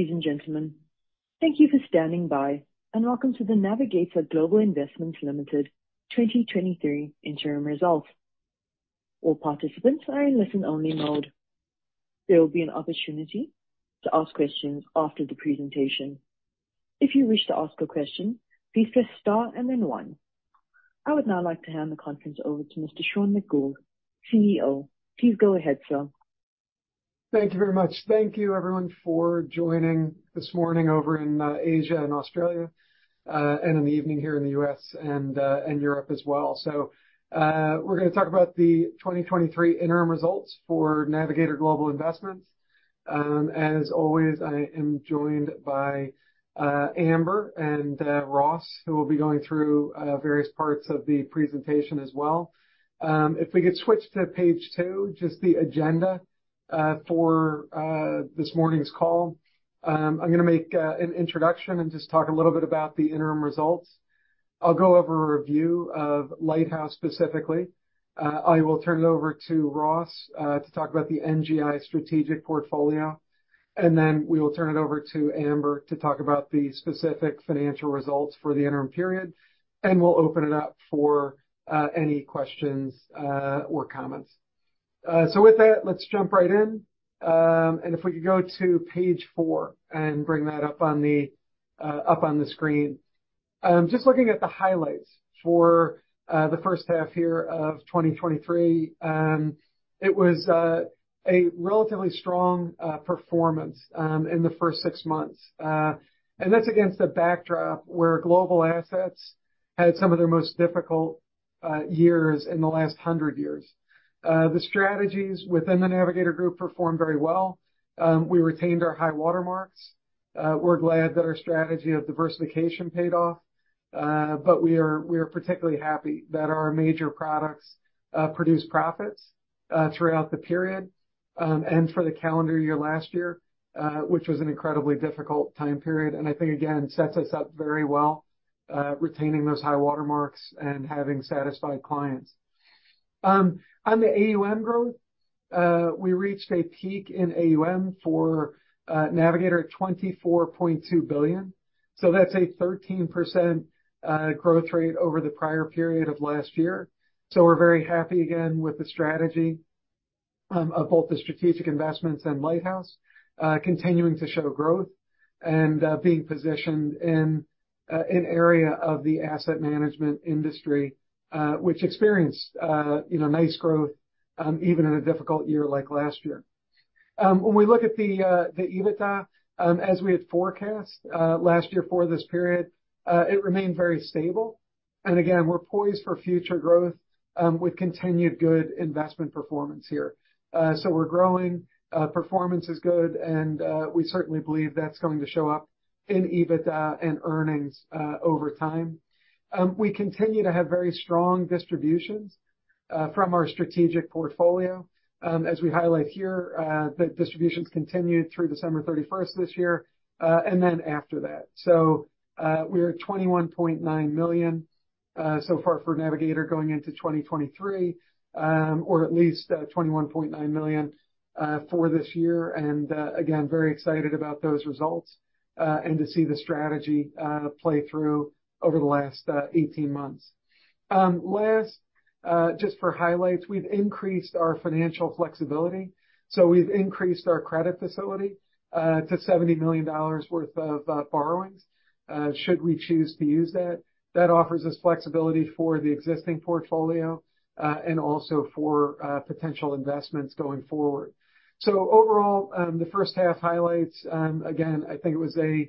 Ladies and gentlemen, thank you for standing by, and welcome to the Navigator Global Investments Limited 2023 interim results. All participants are in listen only mode. There will be an opportunity to ask questions after the presentation. If you wish to ask a question, please press star and then one. I would now like to hand the conference over to Mr. Sean McGould, CEO. Please go ahead, sir. Thank you very much. Thank you everyone for joining this morning over in Asia and Australia, and in the evening here in the U.S. and Europe as well. We're gonna talk about the 2023 interim results for Navigator Global Investments. As always, I am joined by Amber and Ross, who will be going through various parts of the presentation as well. If we could switch to page two, just the agenda for this morning's call. I'm gonna make an introduction and just talk a little bit about the interim results. I'll go over a review of Lighthouse specifically. I will turn it over to Ross to talk about the NGI strategic portfolio, then we will turn it over to Amber to talk about the specific financial results for the interim period. We'll open it up for any questions or comments. With that, let's jump right in. If we could go to page four and bring that up on the screen. Just looking at the highlights for the first half year of 2023. It was a relatively strong performance in the first six months. That's against a backdrop where global assets had some of their most difficult years in the last 100 years. The strategies within the Navigator group performed very well. We retained our high-water marks. We're glad that our strategy of diversification paid off. We are particularly happy that our major products produced profits throughout the period, and for the calendar year last year, which was an incredibly difficult time period, and I think again, sets us up very well, retaining those high-water marks and having satisfied clients. On the AUM growth, we reached a peak in AUM for Navigator at $24.2 billion. That's a 13% growth rate over the prior period of last year. We're very happy again with the strategy of both the strategic investments and Lighthouse continuing to show growth and being positioned in an area of the asset management industry which experienced, you know, nice growth even in a difficult year like last year. When we look at the EBITDA as we had forecast last year for this period, it remained very stable. Again, we're poised for future growth with continued good investment performance here. We're growing, performance is good, and we certainly believe that's going to show up in EBITDA and earnings over time. We continue to have very strong distributions from our strategic portfolio. As we highlight here, the distributions continued through December 31st this year, and then after that. We are at $21.9 million so far for Navigator going into 2023, or at least $21.9 million for this year. Again, very excited about those results and to see the strategy play through over the last 18 months. Last, just for highlights, we've increased our financial flexibility. We've increased our credit facility to $70 million worth of borrowings, should we choose to use that. That offers us flexibility for the existing portfolio and also for potential investments going forward. Overall, the first half highlights, again, I think it was a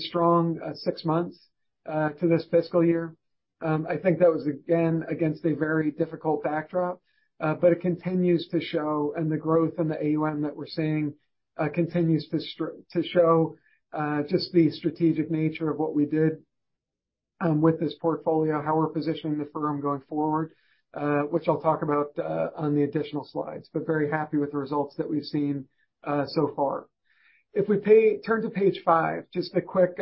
strong six months to this fiscal year. I think that was again, against a very difficult backdrop, but it continues to show and the growth in the AUM that we're seeing, continues to show just the strategic nature of what we did with this portfolio, how we're positioning the firm going forward, which I'll talk about on the additional slides. Very happy with the results that we've seen so far. If we turn to page five, just a quick,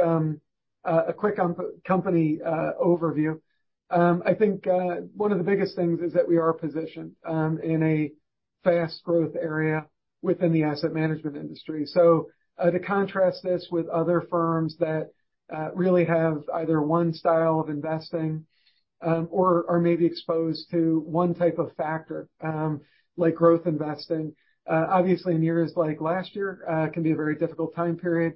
a quick company overview. I think one of the biggest things is that we are positioned in a fast growth area within the asset management industry. To contrast this with other firms that really have either one style of investing or are maybe exposed to one type of factor, like growth investing, obviously in years like last year, can be a very difficult time period.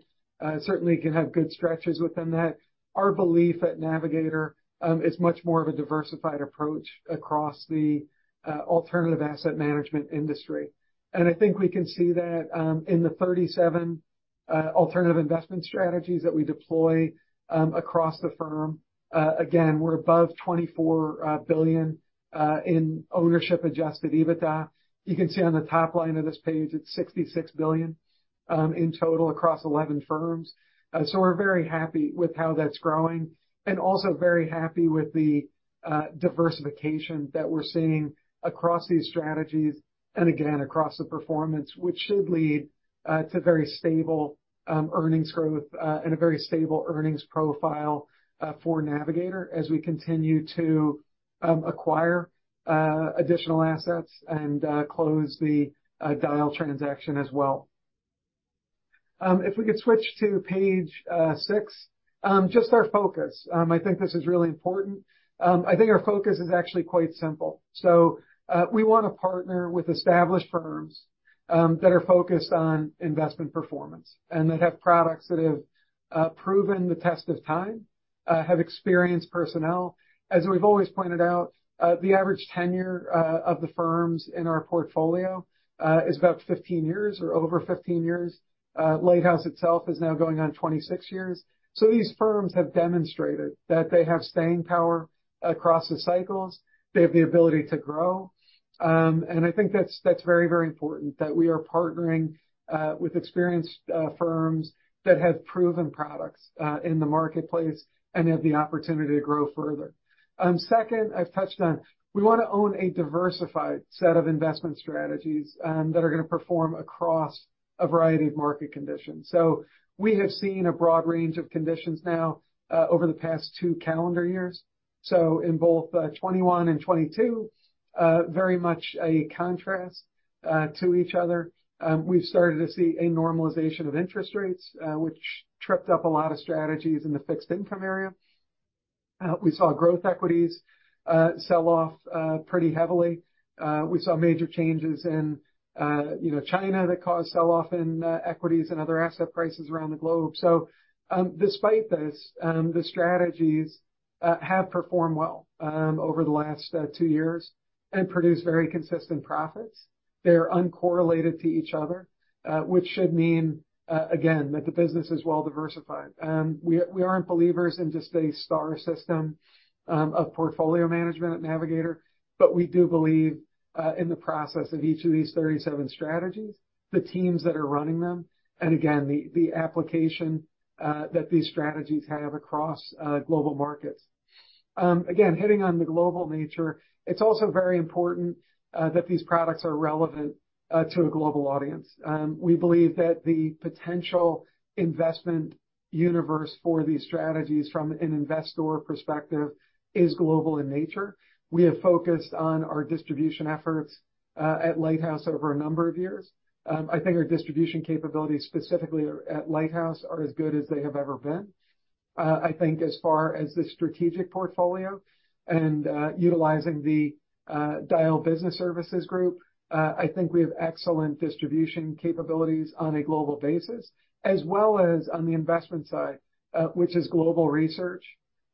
Certainly can have good stretches within that. Our belief at Navigator is much more of a diversified approach across the alternative asset management industry. I think we can see that in the 37 alternative investment strategies that we deploy across the firm. Again, we're above $24 billion in ownership-adjusted EBITDA. You can see on the top line of this page, it's $66 billion in total across 11 firms. We're very happy with how that's growing and also very happy with the diversification that we're seeing across these strategies and again, across the performance, which should lead to very stable earnings growth and a very stable earnings profile for Navigator as we continue to acquire additional assets and close the Dyal transaction as well. If we could switch to page six, just our focus. I think this is really important. I think our focus is actually quite simple. We wanna partner with established firms that are focused on investment performance and that have products that have proven the test of time, have experienced personnel. As we've always pointed out, the average tenure of the firms in our portfolio is about 15 years or over 15 years. Lighthouse itself is now going on 26 years. These firms have demonstrated that they have staying power across the cycles. They have the ability to grow. I think that's very, very important that we are partnering with experienced firms that have proven products in the marketplace and have the opportunity to grow further. Second, I've touched on, we wanna own a diversified set of investment strategies that are gonna perform across a variety of market conditions. We have seen a broad range of conditions now over the past two calendar years. In both 2021 and 2022, very much a contrast to each other. We've started to see a normalization of interest rates, which tripped up a lot of strategies in the fixed income area. We saw growth equities sell off pretty heavily. We saw major changes in, you know, China that caused sell-off in equities and other asset prices around the globe. Despite this, the strategies have performed well over the last two years and produced very consistent profits. They're uncorrelated to each other, which should mean again, that the business is well diversified. We, we aren't believers in just a star system of portfolio management at Navigator, but we do believe in the process of each of these 37 strategies, the teams that are running them, and again, the application that these strategies have across global markets. Again, hitting on the global nature, it's also very important that these products are relevant to a global audience. We believe that the potential investment universe for these strategies from an investor perspective is global in nature. We have focused on our distribution efforts at Lighthouse over a number of years. I think our distribution capabilities, specifically at Lighthouse, are as good as they have ever been. I think as far as the strategic portfolio and utilizing the Dyal Business Services group, I think we have excellent distribution capabilities on a global basis, as well as on the investment side, which is global research,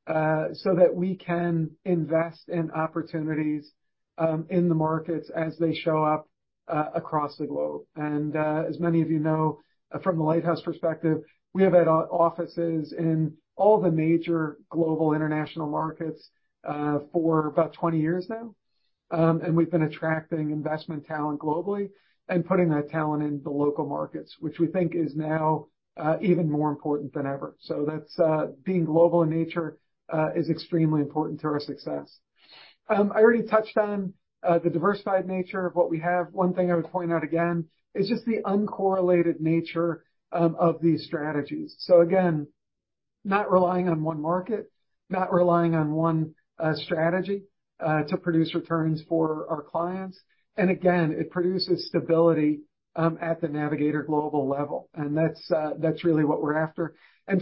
so that we can invest in opportunities in the markets as they show up across the globe. As many of you know, from the Lighthouse perspective, we have had offices in all the major global international markets for about 20 years now. We've been attracting investment talent globally and putting that talent into local markets, which we think is now even more important than ever. That's being global in nature is extremely important to our success. I already touched on the diversified nature of what we have. One thing I would point out again is just the uncorrelated nature of these strategies. Again, not relying on one market, not relying on one strategy to produce returns for our clients. Again, it produces stability at the Navigator Global level. That's really what we're after.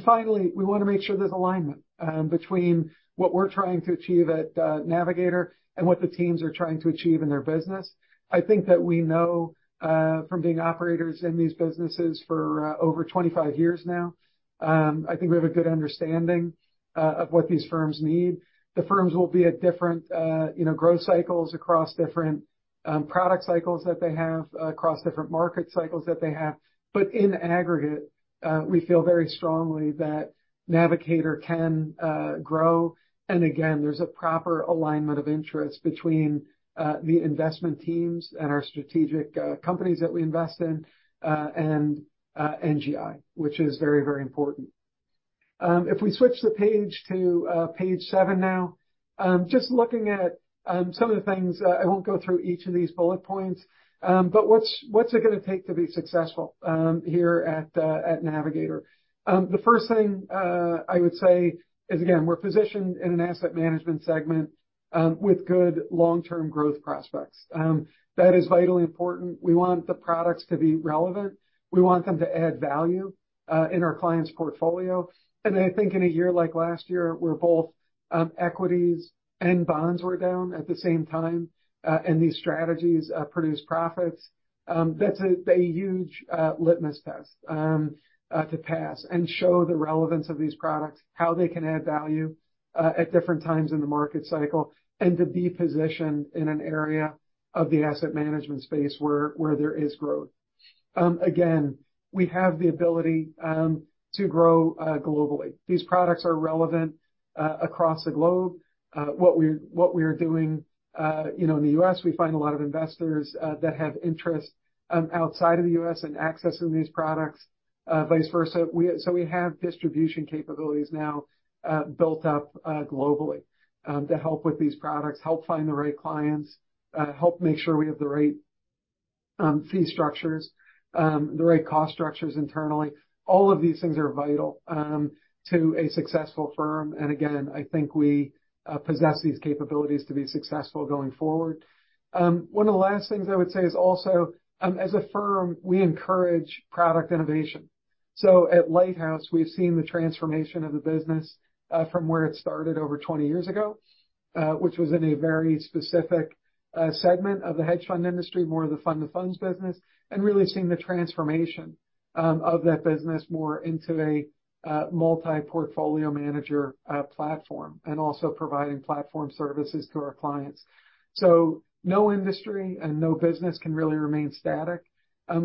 Finally, we wanna make sure there's alignment between what we're trying to achieve at Navigator and what the teams are trying to achieve in their business. I think that we know from being operators in these businesses for over 25 years now, I think we have a good understanding of what these firms need. The firms will be at different, you know, growth cycles across different product cycles that they have, across different market cycles that they have. In aggregate, we feel very strongly that Navigator can grow. Again, there's a proper alignment of interests between the investment teams and our strategic companies that we invest in, and NGI, which is very, very important. If we switch the page to page seven now, just looking at some of the things. I won't go through each of these bullet points, but what's it gonna take to be successful here at Navigator? The first thing I would say is, again, we're positioned in an asset management segment with good long-term growth prospects. That is vitally important. We want the products to be relevant. We want them to add value in our clients' portfolio. I think in a year like last year, where both equities and bonds were down at the same time, and these strategies produced profits, that's a huge litmus test to pass and show the relevance of these products, how they can add value at different times in the market cycle, and to be positioned in an area of the asset management space where there is growth. Again, we have the ability to grow globally. These products are relevant across the globe. What we are doing, you know, in the U.S., we find a lot of investors that have interest outside of the U.S. in accessing these products, vice versa. We have distribution capabilities now, built up globally, to help with these products, help find the right clients, help make sure we have the right fee structures, the right cost structures internally. All of these things are vital to a successful firm. Again, I think we possess these capabilities to be successful going forward. One of the last things I would say is also, as a firm, we encourage product innovation. At Lighthouse, we've seen the transformation of the business from where it started over 20 years ago, which was in a very specific segment of the hedge fund industry, more of the fund of funds business, and really seeing the transformation of that business more into a multi-portfolio manager platform, and also providing platform services to our clients. No industry and no business can really remain static.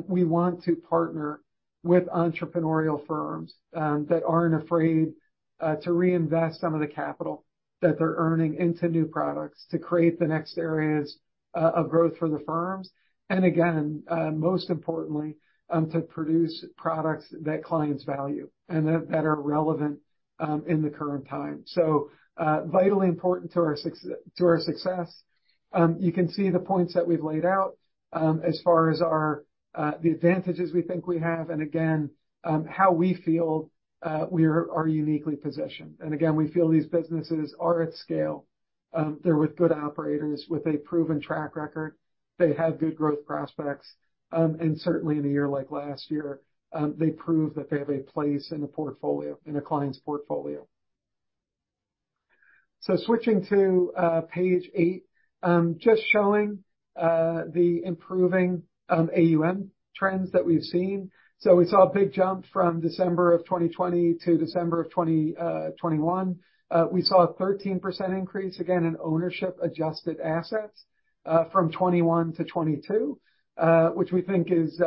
We want to partner with entrepreneurial firms that aren't afraid to reinvest some of the capital that they're earning into new products to create the next areas of growth for the firms, and again, most importantly, to produce products that clients value and that are relevant in the current time. Vitally important to our success. You can see the points that we've laid out as far as our the advantages we think we have, and again, how we feel we are uniquely positioned. We feel these businesses are at scale. They're with good operators with a proven track record. They have good growth prospects. Certainly in a year like last year, they proved that they have a place in the portfolio, in a client's portfolio. Switching to page eight, just showing the improving AUM trends that we've seen. We saw a big jump from December of 2020 to December of 2021. We saw a 13% increase again in ownership-adjusted assets from 2021-2022, which we think is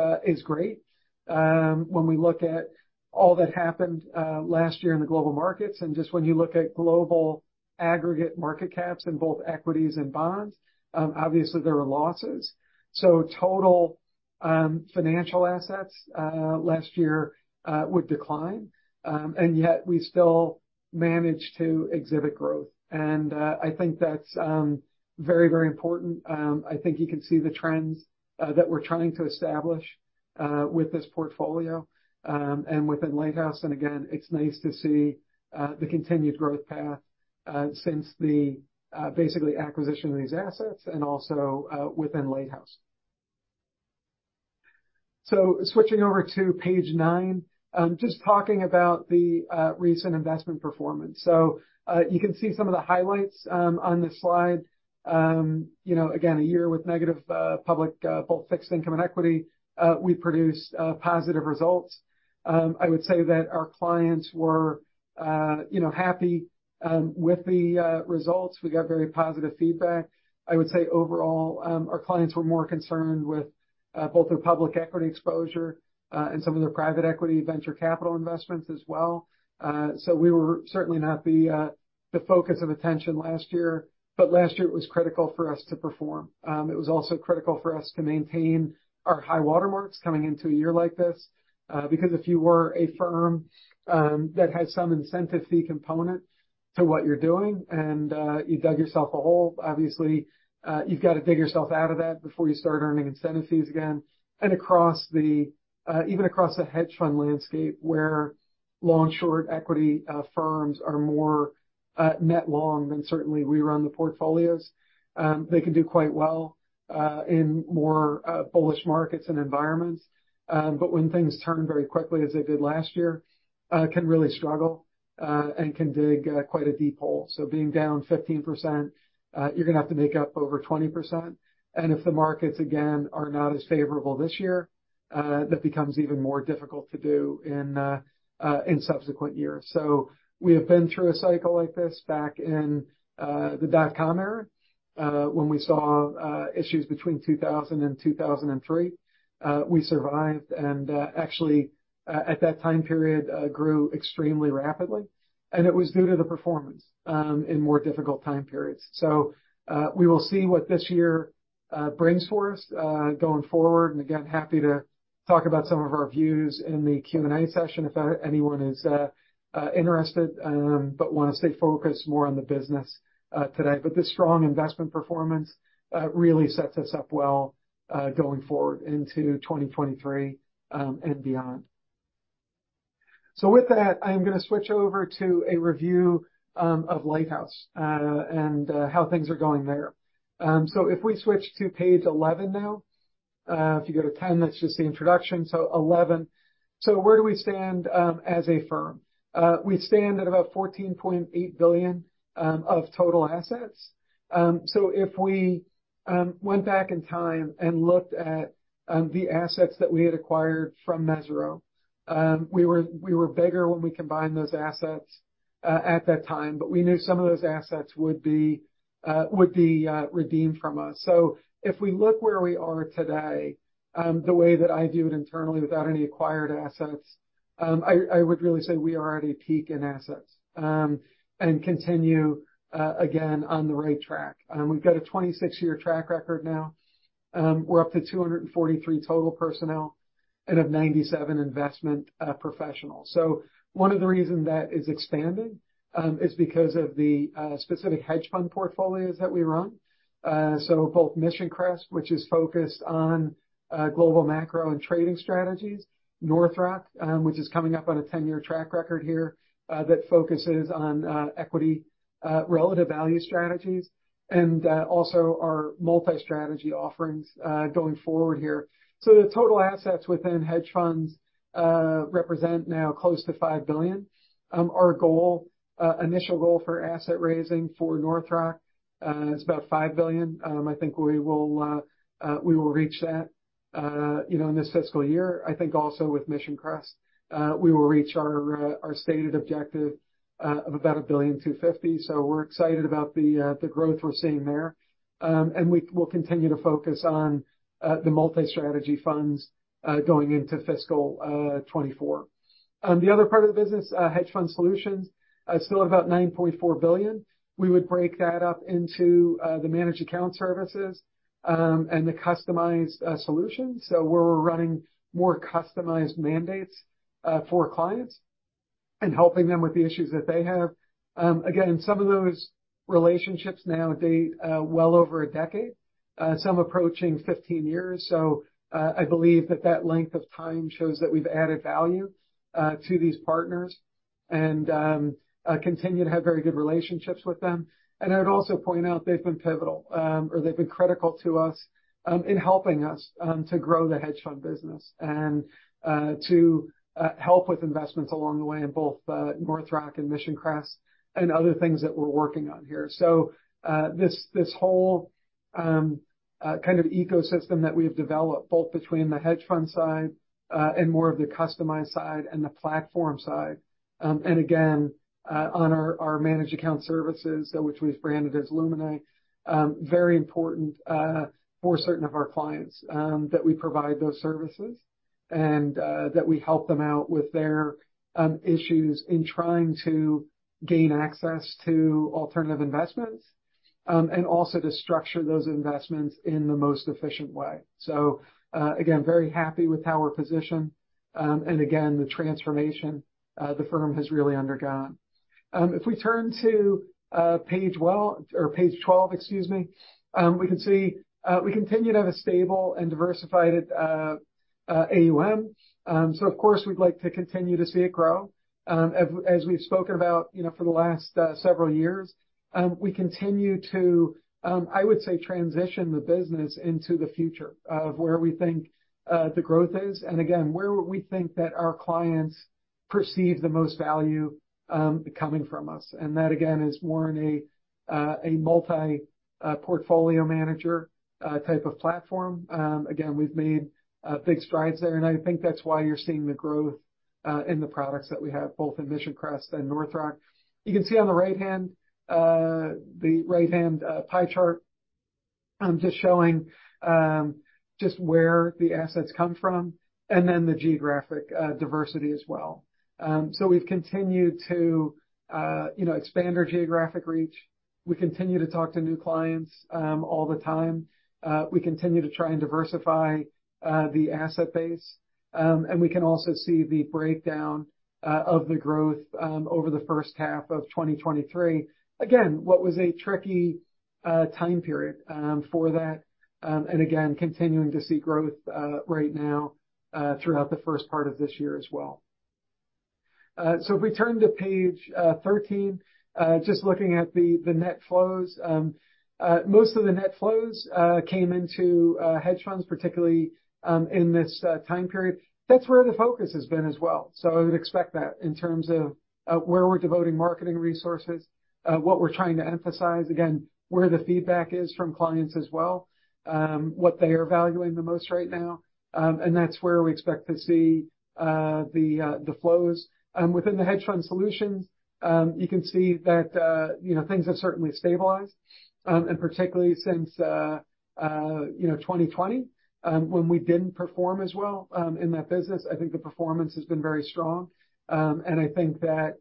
great. When we look at all that happened last year in the global markets, and just when you look at global aggregate market caps in both equities and bonds, obviously there were losses. Total financial assets last year would decline. Yet we still managed to exhibit growth. I think that's very, very important. I think you can see the trends that we're trying to establish with this portfolio and within Lighthouse. It's nice to see the continued growth path since the basically acquisition of these assets and also within Lighthouse. Switching over to page nine, just talking about the recent investment performance. You can see some of the highlights on this slide. You know, again, a year with negative public both fixed income and equity, we produced positive results. I would say that our clients were, you know, happy with the results. We got very positive feedback. Our clients were more concerned with both their public equity exposure and some of their private equity venture capital investments as well. We were certainly not the focus of attention last year. Last year it was critical for us to perform. It was also critical for us to maintain our high-water marks coming into a year like this because if you were a firm that had some incentive fee component to what you're doing, and you dug yourself a hole, obviously, you've got to dig yourself out of that before you start earning incentive fees again. Across the even across the hedge fund landscape, where long/short equity firms are more net long than certainly we run the portfolios, they can do quite well in more bullish markets and environments. When things turn very quickly as they did last year, can really struggle and can dig quite a deep hole. Being down 15%, you're gonna have to make up over 20%. If the markets again are not as favorable this year, that becomes even more difficult to do in subsequent years. We have been through a cycle like this back in the dot-com era, when we saw issues between 2000 and 2003. We survived and, actually, at that time period, grew extremely rapidly, and it was due to the performance in more difficult time periods. We will see what this year brings for us going forward. Again, happy to talk about some of our views in the Q&A session if anyone is interested, but wanna stay focused more on the business today. This strong investment performance really sets us up well going forward into 2023 and beyond. With that, I am gonna switch over to a review of Lighthouse and how things are going there. If we switch to page 11 now. If you go to 10, that's just the introduction. 11. Where do we stand as a firm? We stand at about $14.8 billion of total assets. If we went back in time and looked at the assets that we had acquired from Mesirow, we were bigger when we combined those assets at that time, but we knew some of those assets would be redeemed from us. If we look where we are today, the way that I view it internally without any acquired assets, I would really say we are at a peak in assets and continue again, on the right track. We've got a 26-year track record now. We're up to 243 total personnel and have 97 investment professionals. One of the reason that is expanded is because of the specific hedge fund portfolios that we run. Both Mission Crest, which is focused on global macro and trading strategies, North Rock, which is coming up on a 10-year track record here, that focuses on equity relative value strategies, and also our multi-strategy offerings going forward here. The total assets within hedge funds represent now close to $5 billion. Our goal, initial goal for asset raising for North Rock, is about $5 billion. I think we will reach that, you know, in this fiscal year. I think also with Mission Crest, we will reach our stated objective of about $1.25 billion. We're excited about the growth we're seeing there. We will continue to focus on the multi-strategy funds going into fiscal 2024. The other part of the business, Hedge Fund Solutions, still at about $9.4 billion. We would break that up into the managed account services and the customized solutions. We're running more customized mandates for clients and helping them with the issues that they have. Again, some of those relationships now date, well over a decade, some approaching 15 years. I believe that that length of time shows that we've added value to these partners and continue to have very good relationships with them. I'd also point out they've been pivotal, or they've been critical to us, in helping us to grow the hedge fund business and to help with investments along the way in both North Rock and Mission Crest and other things that we're working on here. This whole kind of ecosystem that we have developed, both between the hedge fund side and more of the customized side and the platform side, and again, on our managed account services, which we've branded as Lumina, very important for certain of our clients that we provide those services and that we help them out with their issues in trying to gain access to alternative investments and also to structure those investments in the most efficient way. Again, very happy with how we're positioned, and again, the transformation the firm has really undergone. If we turn to page 12, excuse me, we can see we continue to have a stable and diversified AUM. Of course, we'd like to continue to see it grow. As we've spoken about, you know, for the last several years, we continue to, I would say, transition the business into the future of where we think the growth is and again, where we think that our clients perceive the most value coming from us. That again, is more in a multi-portfolio manager type of platform. Again, we've made big strides there, and I think that's why you're seeing the growth in the products that we have both in Mission Crest and North Rock. You can see on the right-hand pie chart, just showing just where the assets come from and then the geographic diversity as well. We've continued to, you know, expand our geographic reach. We continue to talk to new clients all the time. We continue to try and diversify the asset base. We can also see the breakdown of the growth over the first half of 2023. Again, what was a tricky time period for that, and again, continuing to see growth right now throughout the first part of this year as well. If we turn to page 13, just looking at the net flows. Most of the net flows came into hedge funds, particularly in this time period. That's where the focus has been as well. I would expect that in terms of where we're devoting marketing resources, what we're trying to emphasize, again, where the feedback is from clients as well, what they are valuing the most right now. That's where we expect to see the flows. Within the Hedge Fund Solutions, you can see that, you know, things have certainly stabilized, and particularly since, you know, 2020, when we didn't perform as well in that business. I think the performance has been very strong. I think that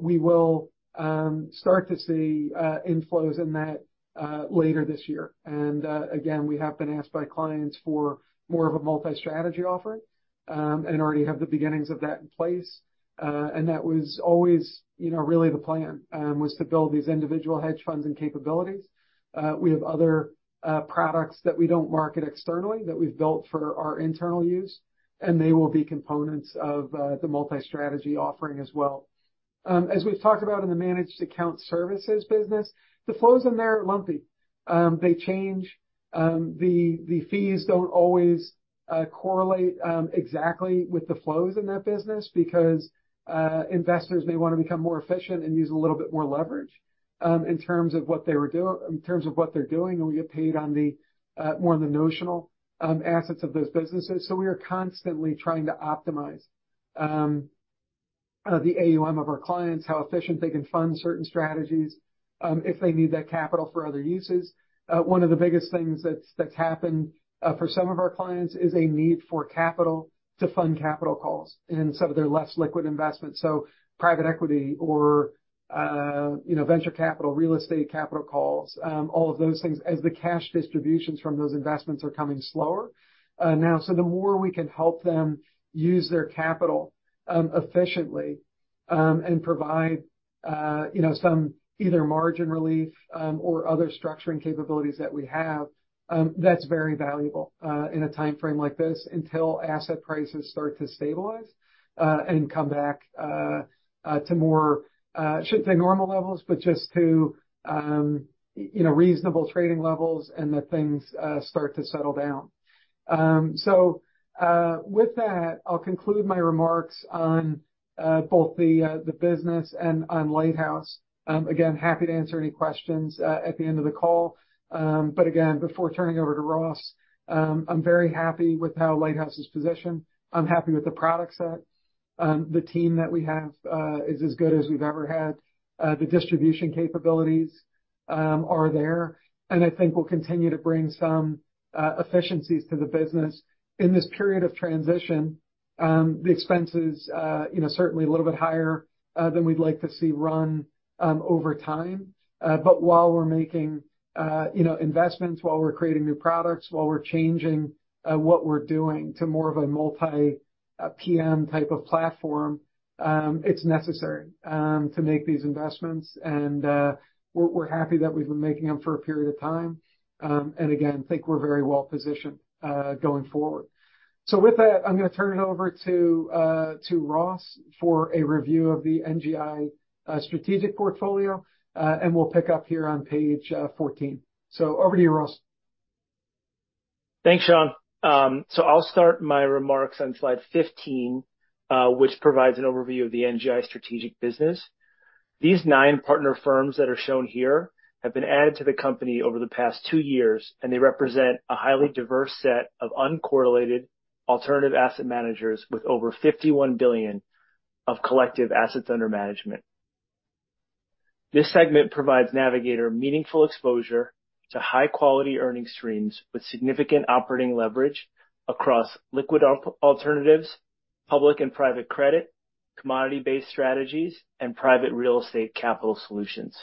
we will start to see inflows in that later this year. Again, we have been asked by clients for more of a multi-strategy offering, and already have the beginnings of that in place. That was always, you know, really the plan, was to build these individual hedge funds and capabilities. We have other products that we don't market externally that we've built for our internal use, and they will be components of the multi-strategy offering as well. As we've talked about in the managed account services business, the flows in there are lumpy. They change. The fees don't always correlate exactly with the flows in that business because investors may wanna become more efficient and use a little bit more leverage in terms of what they're doing, and we get paid on the more on the notional assets of those businesses. We are constantly trying to optimize the AUM of our clients, how efficient they can fund certain strategies, if they need that capital for other uses. One of the biggest things that's happened for some of our clients is a need for capital to fund capital calls in some of their less liquid investments. Private equity or, you know, venture capital, real estate capital calls, all of those things as the cash distributions from those investments are coming slower, now. The more we can help them use their capital efficiently and provide, you know, some either margin relief or other structuring capabilities that we have, that's very valuable in a timeframe like this until asset prices start to stabilize and come back to more, I shouldn't say normal levels, but just to, you know, reasonable trading levels and that things start to settle down. With that, I'll conclude my remarks on both the business and on Lighthouse. Again, happy to answer any questions at the end of the call. Again, before turning over to Ross I'm very happy with how Lighthouse is positioned. I'm happy with the product set. The team that we have is as good as we've ever had. The distribution capabilities are there, and I think we'll continue to bring some efficiencies to the business. In this period of transition, the expenses, you know, are certainly a little bit higher than we'd like to see run over time. While we're making, you know, investments, while we're creating new products, while we're changing what we're doing to more of a multi-PM type of platform, it's necessary to make these investments. We're happy that we've been making them for a period of time, and again, think we're very well positioned going forward. With that, I'm gonna turn it over to Ross for a review of the NGI strategic portfolio, and we'll pick up here on page 14. Over to you, Ross. Thanks, Sean. I'll start my remarks on slide 15, which provides an overview of the NGI strategic business. These nine partner firms that are shown here have been added to the company over the past two years and they represent a highly diverse set of uncorrelated alternative asset managers with over $51 billion of collective assets under management. This segment provides Navigator meaningful exposure to high-quality earning streams with significant operating leverage across liquid alternatives, public and private credit, commodity-based strategies, and private real estate capital solutions.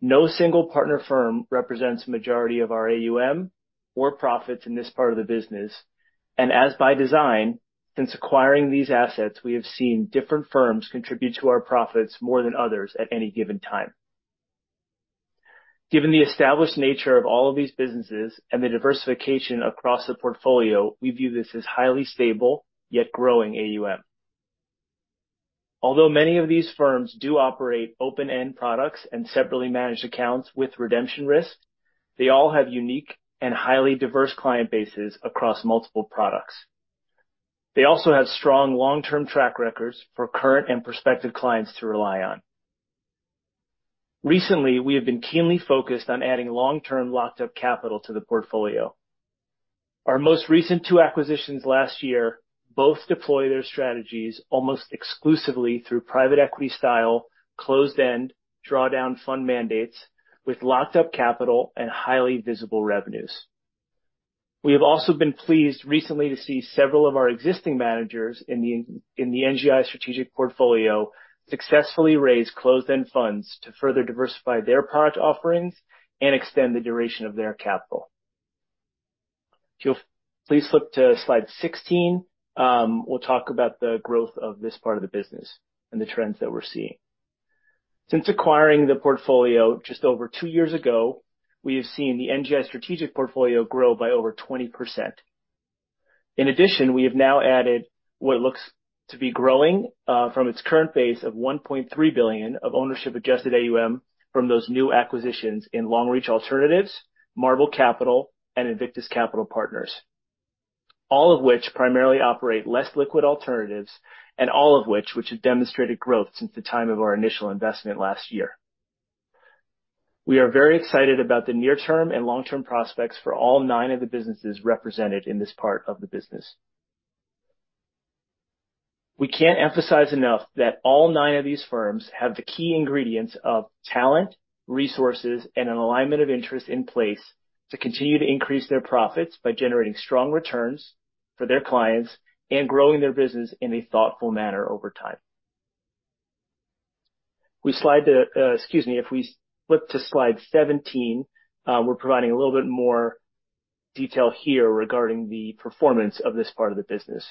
No single partner firm represents the majority of our AUM or profits in this part of the business. As by design, since acquiring these assets, we have seen different firms contribute to our profits more than others at any given time. Given the established nature of all of these businesses and the diversification across the portfolio, we view this as highly stable, yet growing AUM. Although many of these firms do operate open-end products and separately managed accounts with redemption risk, they all have unique and highly diverse client bases across multiple products. They also have strong long-term track records for current and prospective clients to rely on. Recently, we have been keenly focused on adding long-term locked-up capital to the portfolio. Our most recent two acquisitions last year both deploy their strategies almost exclusively through private equity style, closed-end, drawdown fund mandates with locked up capital and highly visible revenues. We have also been pleased recently to see several of our existing managers in the NGI strategic portfolio successfully raise closed-end funds to further diversify their product offerings and extend the duration of their capital. If you'll please flip to slide 16 we'll talk about the growth of this part of the business and the trends that we're seeing. Since acquiring the portfolio just over two years ago, we have seen the NGI strategic portfolio grow by over 20%. In addition, we have now added what looks to be growing from its current base of $1.3 billion of ownership-adjusted AUM from those new acquisitions in Longreach Alternatives, Marble Capital, and Invictus Capital Partners, all of which primarily operate less liquid alternatives and all of which have demonstrated growth since the time of our initial investment last year. We are very excited about the near-term and long-term prospects for all nine of the businesses represented in this part of the business. We can't emphasize enough that all nine of these firms have the key ingredients of talent, resources, and an alignment of interest in place to continue to increase their profits by generating strong returns for their clients and growing their business in a thoughtful manner over time. We slide the, excuse me, if we flip to slide 17, we're providing a little bit more detail here regarding the performance of this part of the business.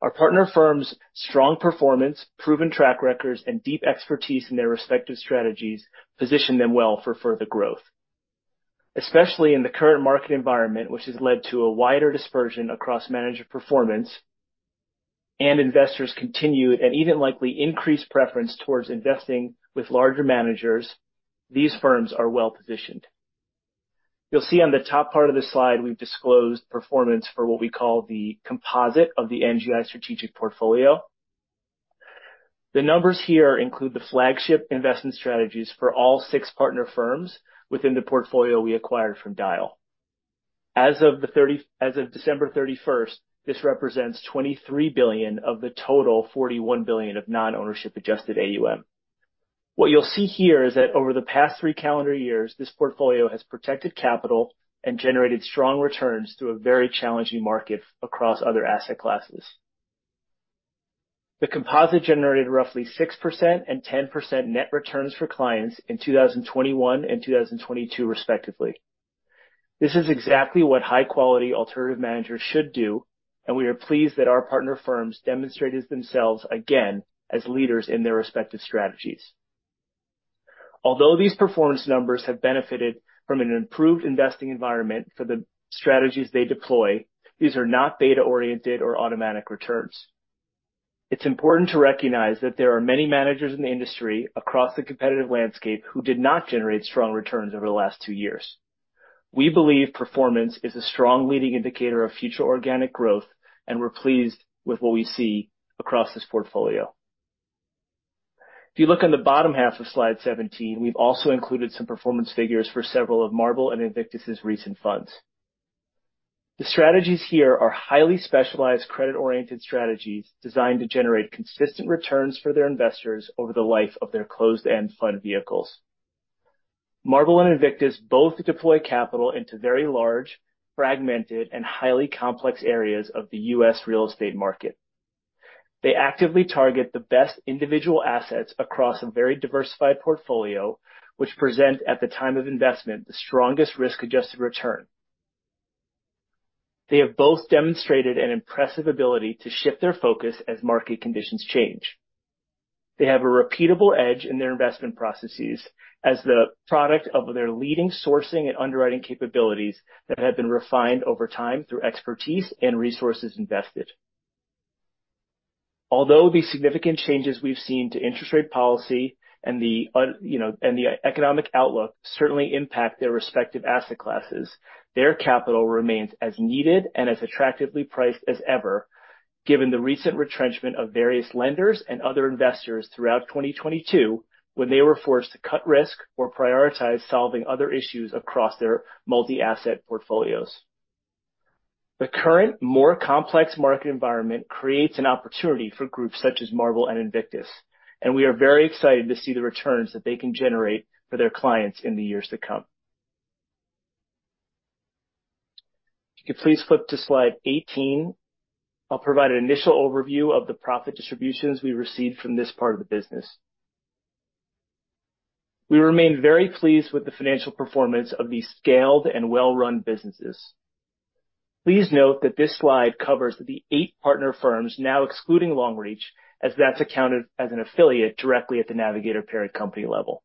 Our partner firms' strong performance, proven track records, and deep expertise in their respective strategies position them well for further growth. Especially in the current market environment, which has led to a wider dispersion across manager performance and investors' continued and even likely increased preference towards investing with larger managers, these firms are well-positioned. You'll see on the top part of this slide, we've disclosed performance for what we call the composite of the NGI strategic portfolio. The numbers here include the flagship investment strategies for all six partner firms within the portfolio we acquired from Dyal. As of December 31st, this represents $23 billion of the total $41 billion of non-ownership adjusted AUM. What you'll see here is that over the past three calendar years, this portfolio has protected capital and generated strong returns through a very challenging market across other asset classes. The composite generated roughly 6% and 10% net returns for clients in 2021 and 2022 respectively. This is exactly what high-quality alternative managers should do, we are pleased that our partner firms demonstrated themselves again as leaders in their respective strategies. Although these performance numbers have benefited from an improved investing environment for the strategies they deploy, these are not data-oriented or automatic returns. It's important to recognize that there are many managers in the industry across the competitive landscape who did not generate strong returns over the last two years. We believe performance is a strong leading indicator of future organic growth, and we're pleased with what we see across this portfolio. If you look on the bottom half of slide 17, we've also included some performance figures for several of Marble and Invictus' recent funds. The strategies here are highly specialized credit-oriented strategies designed to generate consistent returns for their investors over the life of their closed-end fund vehicles. Marble and Invictus both deploy capital into very large, fragmented, and highly complex areas of the U.S. real estate market. They actively target the best individual assets across a very diversified portfolio, which present, at the time of investment, the strongest risk-adjusted return. They have both demonstrated an impressive ability to shift their focus as market conditions change. They have a repeatable edge in their investment processes as the product of their leading sourcing and underwriting capabilities that have been refined over time through expertise and resources invested. Although the significant changes we've seen to interest rate policy and the, you know, and the economic outlook certainly impact their respective asset classes, their capital remains as needed and as attractively priced as ever, given the recent retrenchment of various lenders and other investors throughout 2022, when they were forced to cut risk or prioritize solving other issues across their multi-asset portfolios. The current, more complex market environment creates an opportunity for groups such as Marble Capital and Invictus Capital Partners, and we are very excited to see the returns that they can generate for their clients in the years to come. If you please flip to slide 18, I'll provide an initial overview of the profit distributions we received from this part of the business. We remain very pleased with the financial performance of these scaled and well-run businesses. Please note that this slide covers the eight partner firms now excluding Longreach Alternatives, as that's accounted as an affiliate directly at the Navigator Global Investments parent company level.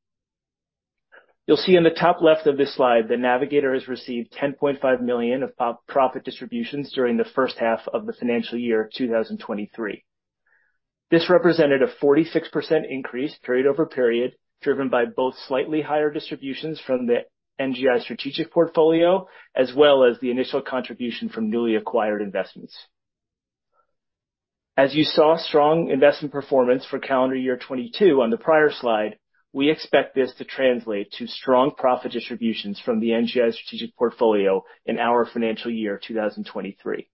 You'll see in the top left of this slide that Navigator Global Investments has received $10.5 million of profit distributions during the first half of the financial year 2023. This represented a 46% increase period-over-period, driven by both slightly higher distributions from the NGI strategic portfolio as well as the initial contribution from newly acquired investments. You saw strong investment performance for calendar year 2022 on the prior slide, we expect this to translate to strong profit distributions from the NGI strategic portfolio in our financial year 2023.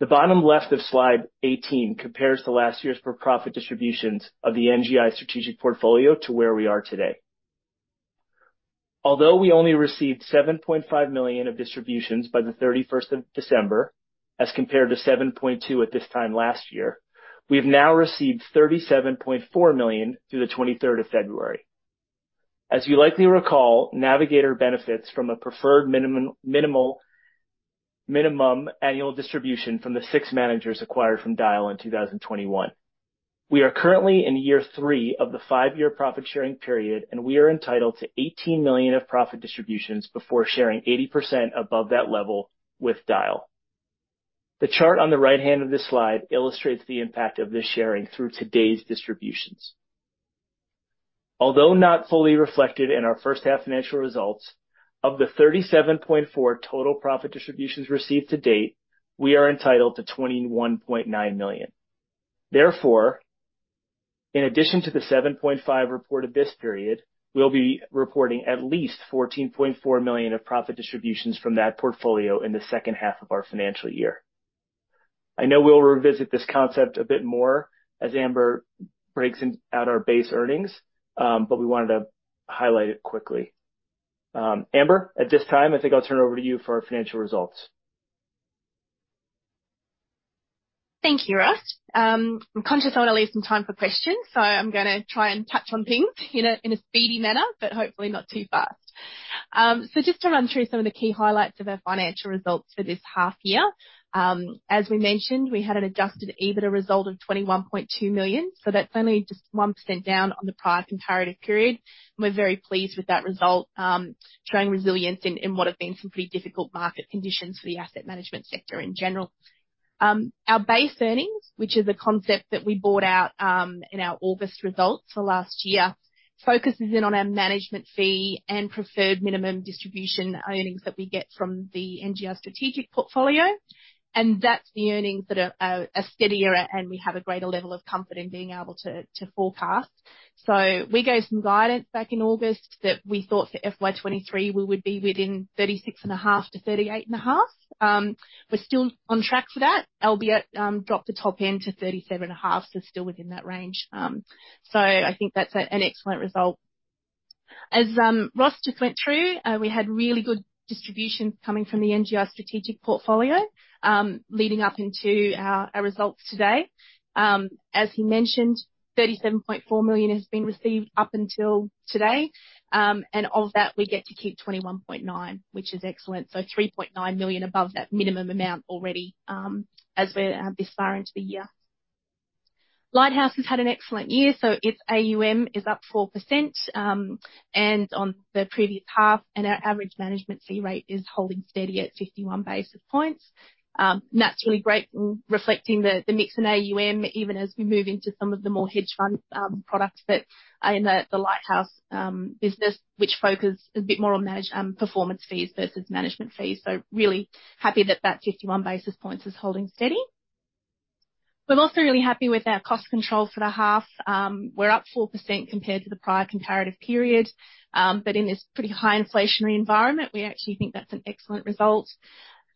The bottom left of slide 18 compares to last year's profit distributions of the NGI strategic portfolio to where we are today. We only received $7.5 million of distributions by the 31st of December, as compared to $7.2 million at this time last year we have now received $37.4 million through the 23rd of February. You likely recall, Navigator benefits from a preferred minimum annual distribution from the six managers acquired from Dyal in 2021. We are currently in year three of the five-year profit sharing period, and we are entitled to $18 million of profit distributions before sharing 80% above that level with Dyal. The chart on the right-hand of this slide illustrates the impact of this sharing through today's distributions. Although not fully reflected in our first half financial results, of the $37.4 total profit distributions received to date, we are entitled to $21.9 million. Therefore, in addition to the $7.5 reported this period, we'll be reporting at least $14.4 million of profit distributions from that portfolio in the second half of our financial year. I know we'll revisit this concept a bit more as Amber breaks out our Base Earnings. We wanted to highlight it quickly. Amber, at this time, I think I'll turn it over to you for our financial results. Thank you, Ross. I'm conscious I wanna leave some time for questions, so I'm gonna try and touch on things in a speedy manner, hopefully not too fast. Just to run through some of the key highlights of our financial results for this half year. As we mentioned, we had an Adjusted EBITDA result of $21.2 million. That's only just 1% down on the prior comparative period. We're very pleased with that result sowing resilience in what have been some pretty difficult market conditions for the asset management sector in general. Our Base Earnings, which is a concept that we bought out in our August results for last year, focuses in on our management fee and preferred minimum distribution earnings that we get from the NGI strategic portfolio, and that's the earnings that are steadier and we have a greater level of comfort in being able to forecast. We gave some guidance back in August that we thought for FY 2023 we would be within $36.5 million-$38.5 million. We're still on track for that, albeit, dropped the top end to $37.5 million, so still within that range. I think that's an excellent result. As Ross just went through, we had really good distributions coming from the NGI strategic portfolio, leading up into our results today. As he mentioned, $37.4 million has been received up until today. And of that, we get to keep $21.9 million, which is excellent. $3.9 million above that minimum amount already, as we're this far into the year. Lighthouse has had an excellent year, its AUM is up 4%, and on the previous half, and our average management fee rate is holding steady at 51 basis points. That's really great in reflecting the mix in AUM, even as we move into some of the more hedge fund products that are in the Lighthouse business, which focus a bit more on performance fees versus management fees. Really happy that that 51 basis points is holding steady. We're also really happy with our cost controls for the half. We're up 4% compared to the prior comparative period. In this pretty high inflationary environment, we actually think that's an excellent result.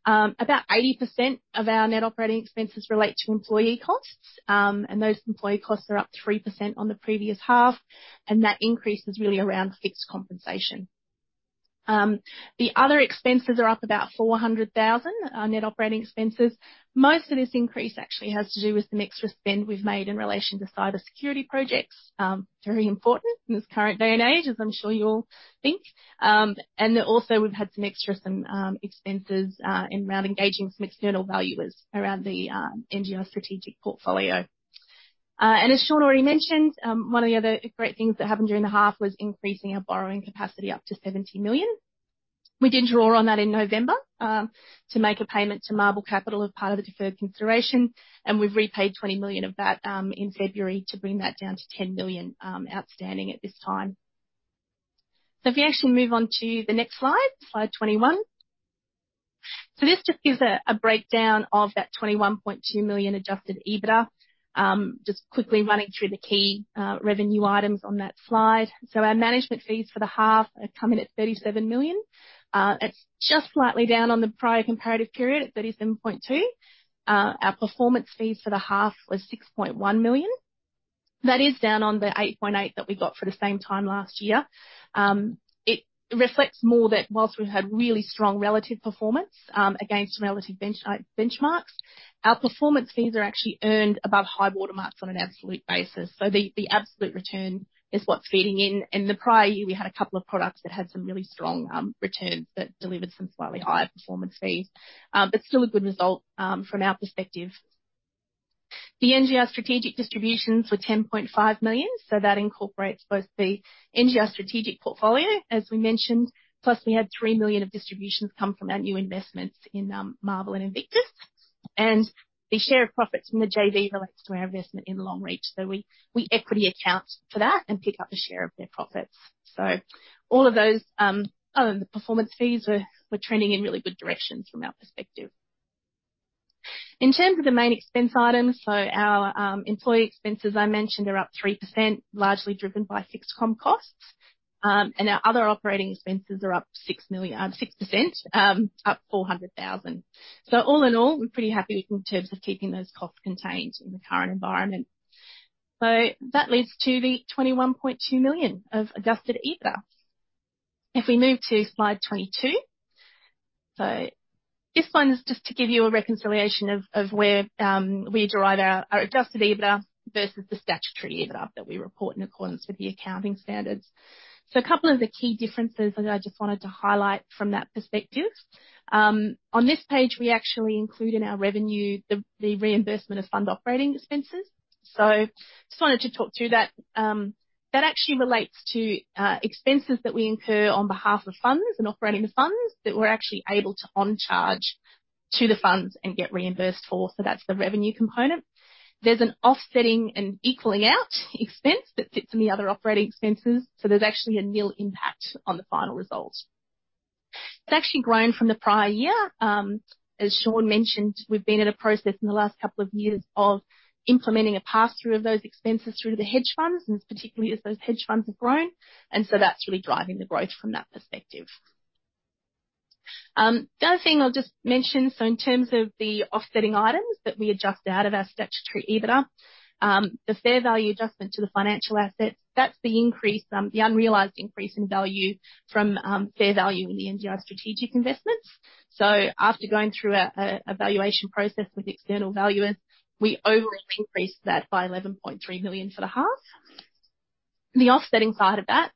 About 80% of our net operating expenses relate to employee costs, and those employee costs are up 3% on the previous half, and that increase is really around fixed compensation. The other expenses are up about $400,000, our net operating expenses. Most of this increase actually has to do with some extra spend we've made in relation to cybersecurity projects. Very important in this current day and age, as I'm sure you'll think. Also we've had some extra expenses in around engaging some external valuers around the NGI strategic portfolio. As Sean already mentioned one of the other great things that happened during the half was increasing our borrowing capacity up to $70 million. We did draw on that in November to make a payment to Marble Capital as part of the deferred consideration, and we've repaid $20 million of that in February to bring that down to $10 million outstanding at this time. If we actually move on to the next slide 21. This just gives a breakdown of that $21.2 million Adjusted EBITDA. Just quickly running through the key revenue items on that slide. Our management fees for the half have come in at $37 million. It's just slightly down on the prior comparative period at $37.2 million. Our performance fees for the half was $6.1 million. That is down on the $8.8 million that we got for the same time last year. It reflects more that whilst we've had really strong relative performance against relative benchmarks, our performance fees are actually earned above high-water marks on an absolute basis. The absolute return is what's feeding in. In the prior year, we had a couple of products that had some really strong returns that delivered some slightly higher performance fees. Still a good result from our perspective. The NGI strategic distributions were $10.5 million, that incorporates both the NGI strategic portfolio, as we mentioned, plus we had $3 million of distributions come from our new investments in Marble and Invictus. The share of profits from the JV relates to our investment in Longreach. We equity account for that and pick up a share of their profits. All of those, other than the performance fees, were trending in really good directions from our perspective. In terms of the main expense items, our employee expenses I mentioned are up 3%, largely driven by fixed comm costs. Our other operating expenses are up $6 million, 6%, up $400,000. All in all, we're pretty happy in terms of keeping those costs contained in the current environment. That leads to the $21.2 million of Adjusted EBITDA. If we move to slide 22. This one is just to give you a reconciliation of where we derive our Adjusted EBITDA versus the statutory EBITDA that we report in accordance with the accounting standards. A couple of the key differences that I just wanted to highlight from that perspective. On this page, we actually include in our revenue the reimbursement of fund operating expenses. Just wanted to talk through that. That actually relates to expenses that we incur on behalf of funds and operating the funds that we're actually able to on-charge to the funds and get reimbursed for. That's the revenue component. There's an offsetting and equaling out expense that sits in the other operating expenses. There's actually a nil impact on the final result. It's actually grown from the prior year. As Sean mentioned we've been in a process in the last two years of implementing a pass-through of those expenses through to the hedge funds, and particularly as those hedge funds have grown. That's really driving the growth from that perspective. The other thing I'll just mention so in terms of the offsetting items that we adjust out of our statutory EBITDA, the fair value adjustment to the financial assets, that's the increase, the unrealized increase in value from fair value in the NGI strategic investments. After going through a evaluation process with external valuers, we overall increased that by $11.3 million for the half. The offsetting side of that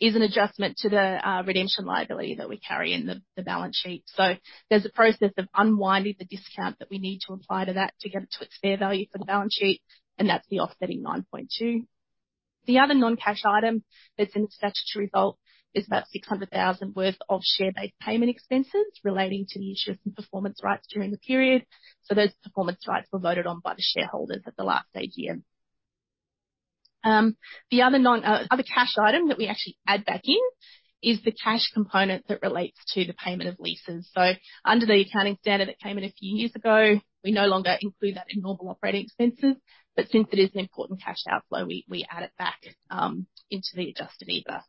is an adjustment to the redemption liability that we carry in the balance sheet. There's a process of unwinding the discount that we need to apply to that to get it to its fair value for the balance sheet, and that's the offsetting $9.2 million. The other non-cash item that's in the statutory result is about $600,000 worth of share-based payment expenses relating to the issuance of performance rights during the period. Those performance rights were voted on by the shareholders at the last AGM. The other cash item that we actually add back in is the cash component that relates to the payment of leases. Under the accounting standard that came in a few years ago, we no longer include that in normal operating expenses, but since it is an important cash outflow, we add it back into the Adjusted EBITDA.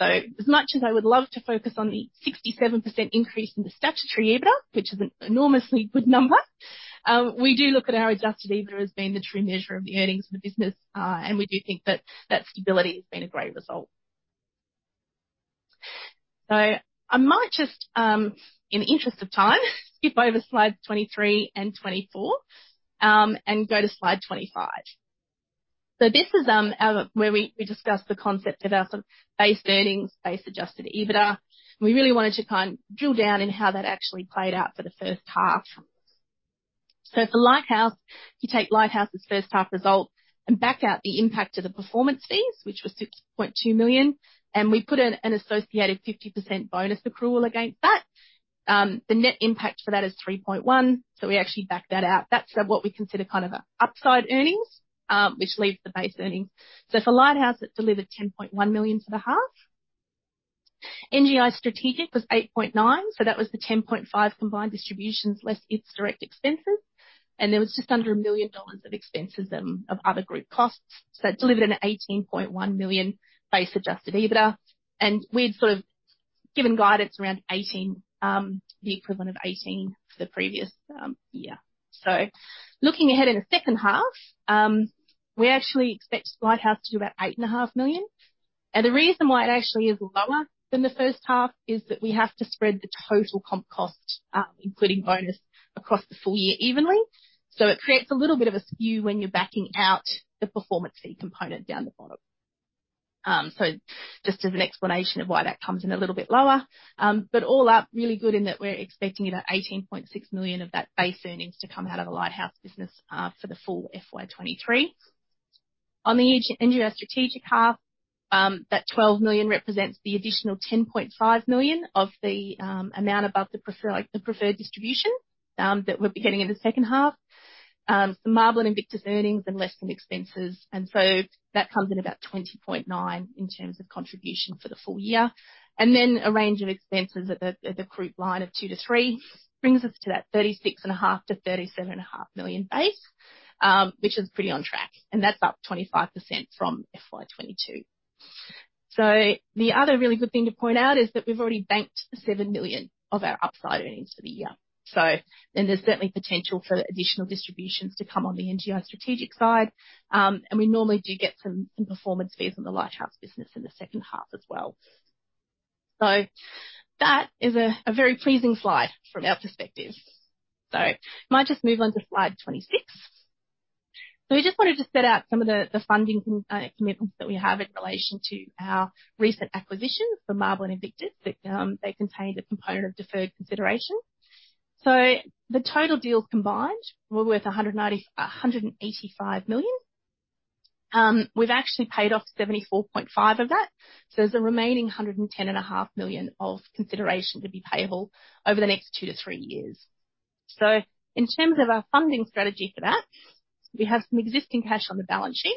As much as I would love to focus on the 67% increase in the statutory EBITDA, which is an enormously good number, we do look at our Adjusted EBITDA as being the true measure of the earnings for the business. We do think that that stability has been a great result. I might just in the interest of time, skip over slide 23 and 24, and go to slide 25. This is our where we discussed the concept of our Base Earnings, Base Adjusted EBITDA, and we really wanted to kind of drill down in how that actually played out for the first half. For Lighthouse, you take Lighthouse's first half results and back out the impact of the performance fees, which was $6.2 million, and we put an associated 50% bonus accrual against that. The net impact for that is $3.1 million. We actually back that out. That's what we consider kind of upside earnings, which leaves the Base Earnings. For Lighthouse, it delivered $10.1 million for the half. NGI Strategic was $8.9, so that was the $10.5 combined distributions, less its direct expenses. There was just under $1 million of expenses and of other group costs. It delivered an $18.1 million Base Adjusted EBITDA. We'd sort of given guidance around $18, the equivalent of $18 for the previous year. Looking ahead in the second half, we actually expect Lighthouse to do about $8.5 million. The reason why it actually is lower than the first half is that we have to spread the total comp cost, including bonus, across the full year evenly. It creates a little bit of a skew when you're backing out the performance fee component down the bottom. Just as an explanation of why that comes in a little bit lower, but all up really good in that we're expecting about $18.6 million of that Base Earnings to come out of the Lighthouse business for the full FY 2023. On the NGI strategic half, that $12 million represents the additional $10.5 million of the amount above the preferred distribution that we'll be getting in the second half. Marble and Invictus earnings and less than expenses, that comes in about $20.9 million in terms of contribution for the full year. A range of expenses at the group line of $2 million-$3 million brings us to that $36.5 million-$37.5 million base, which is pretty on track, and that's up 25% from FY 2022. The other really good thing to point out is that we've already banked $7 million of our upside earnings for the year. There's certainly potential for additional distributions to come on the NGI strategic side. We normally do get some performance fees on the Lighthouse business in the second half as well. That is a very pleasing slide from our perspective. I might just move on to slide 26. We just wanted to set out some of the funding commitments that we have in relation to our recent acquisitions for Marble and Invictus, that they contained a component of deferred consideration. The total deals combined were worth $185 million. We've actually paid off $74.5 million of that, so there's a remaining $110.5 million of consideration to be payable over the next two to three years. In terms of our funding strategy for that, we have some existing cash on the balance sheet.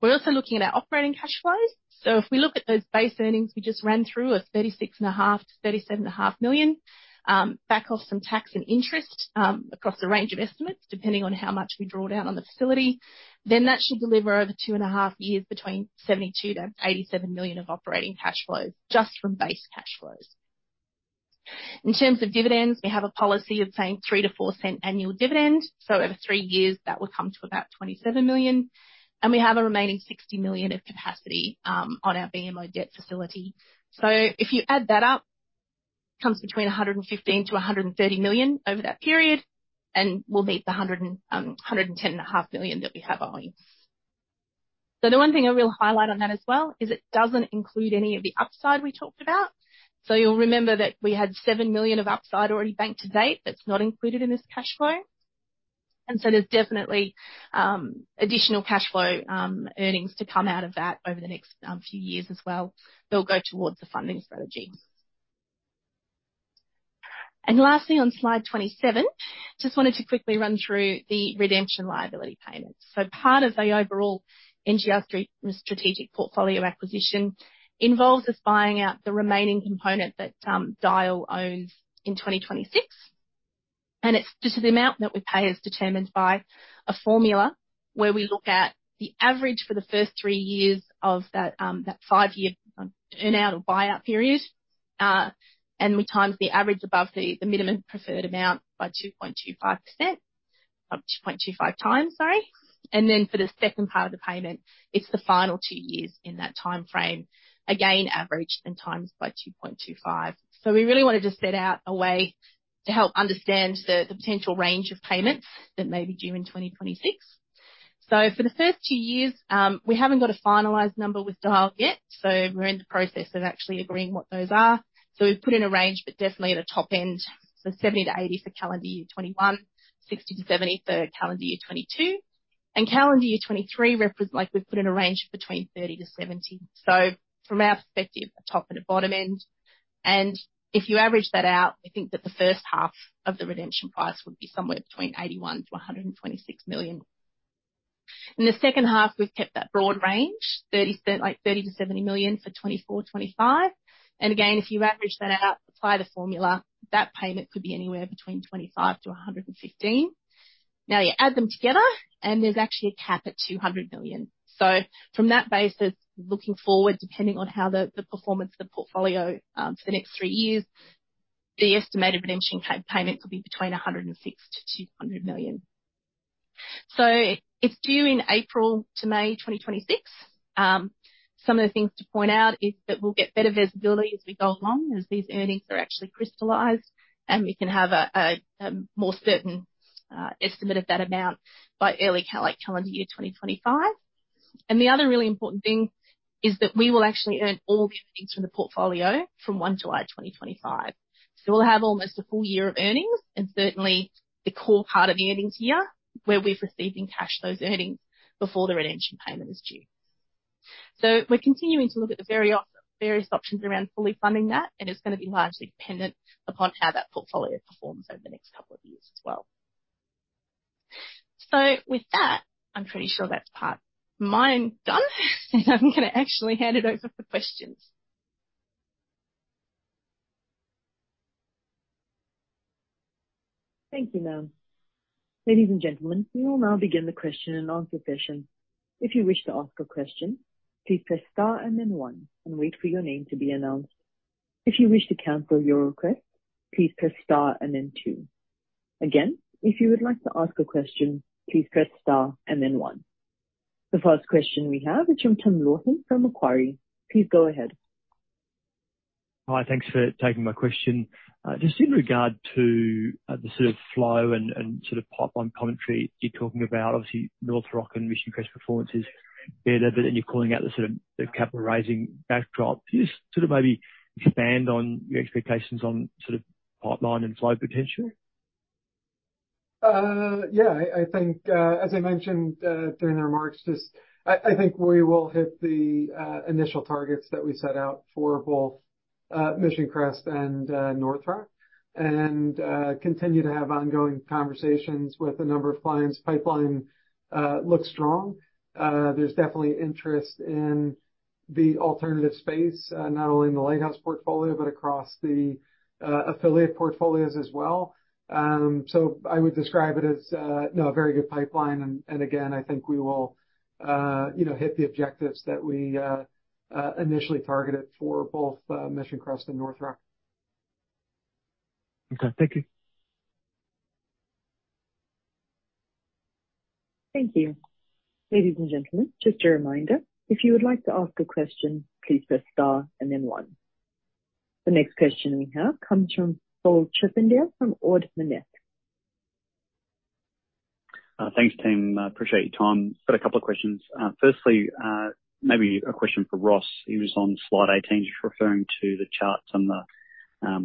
We're also looking at our operating cash flows. If we look at those base earnings we just ran through of $36.5 million-$37.5 million, back off some tax and interest, across a range of estimates, depending on how much we draw down on the facility, then that should deliver over 2.5 years between $72 million-$87 million of operating cash flows just from base cash flows. In terms of dividends, we have a policy of paying $0.03-$0.04 annual dividend. Over three years, that would come to about $27 million, and we have a remaining $60 million of capacity on our BMO debt facility. If you add that up, comes between $115 million-$130 million over that period, and we'll meet the $110.5 million that we have owing. The one thing I will highlight on that as well is it doesn't include any of the upside we talked about. You'll remember that we had $7 million of upside already banked to date. That's not included in this cash flow. There's definitely additional cash flow earnings to come out of that over the next few years as well that'll go towards the funding strategy. Lastly, on slide 27, just wanted to quickly run through the redemption liability payments. Part of the overall NGI strategic portfolio acquisition involves us buying out the remaining component that Dyal owns in 2026. It's just the amount that we pay is determined by a formula where we look at the average for the first three years of that five-year earn-out or buyout period, and we times the average above the minimum preferred amount by 2.25x, sorry. For the second part of the payment, it's the final two years in that timeframe, again, averaged and times by 2.25x. We really wanted to set out a way to help understand the potential range of payments that may be due in 2026. For the first two years, we haven't got a finalized number with Dyal yet, so we're in the process of actually agreeing what those are. We've put in a range, but definitely at a top end. $70 million-$80 million for calendar year 2021, $60 million-$70 million for calendar year 2022. Calendar year 2023 like, we've put in a range of between $30 million-$70 million. From our perspective, a top and a bottom end, and if you average that out, I think that the first half of the redemption price would be somewhere between $81 million-$126 million. In the second half, we've kept that broad range, like $30 million-$70 million for 2024, 2025. Again, if you average that out, apply the formula, that payment could be anywhere between $25 million-$115 million. You add them together, and there's actually a cap at $200 million. From that basis, looking forward, depending on how the performance of the portfolio, for the next three years, the estimated redemption payment will be between $106 million-$200 million. It's due in April to May 2026. Some of the things to point out is that we'll get better visibility as we go along, as these earnings are actually crystallized, and we can have a more certain estimate of that amount by early calendar year 2025. The other really important thing is that we will actually earn all the earnings from the portfolio from July 1, 2025. We'll have almost a full year of earnings, and certainly the core part of the earnings year where we've received in cash those earnings before the redemption payment is due. We're continuing to look at the various options around fully funding that, and it's gonna be largely dependent upon how that portfolio performs over the next couple of years as well. With that, I'm pretty sure that's part mine done, and I'm gonna actually hand it over for questions. Thank you, ma'am. Ladies and gentlemen, we will now begin the question-and-answer session. If you wish to ask a question, please press star and then one, and wait for your name to be announced. If you wish to cancel your request, please press star and then two. If you would like to ask a question, please press star and then one. The first question we have is from Tim Lawson from Macquarie. Please go ahead. Hi. Thanks for taking my question. just in regard to, the sort of flow and sort of pipeline commentary you're talking about, obviously North Rock and Mission Crest performance is better, but then you're calling out the sort of the capital raising backdrop. Can you just sort of maybe expand on your expectations on sort of pipeline and flow potential? Yeah. I think, as I mentioned, during the remarks, I think we will hit the initial targets that we set out for both Mission Crest and North Rock, continue to have ongoing conversations with a number of clients. Pipeline looks strong. There's definitely interest in the alternative space, not only in the Lighthouse portfolio but across the affiliate portfolios as well. I would describe it as, you know, a very good pipeline. Again, I think we will, you know, hit the objectives that we initially targeted for both Mission Crest and North Rock. Okay. Thank you. Thank you. Ladies and gentlemen, just a reminder, if you would like to ask a question, please press star and then one. The next question we have comes from Phillip Chippindale from Ord Minnett. Thanks, Tim. I appreciate your time. Just a couple of questions. Firstly, maybe a question for Ross. It was on slide 18, just referring to the charts and